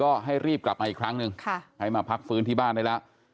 ก็ให้รีบกลับมาอีกครั้งหนึ่งให้มาพักฟื้นที่บ้านได้แล้ว